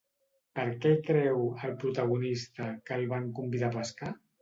Per què creu, el protagonista, que el van convidar a pescar?